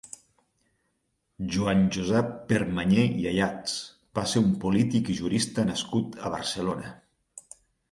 Joan Josep Permanyer i Ayats va ser un polític i jurista nascut a Barcelona.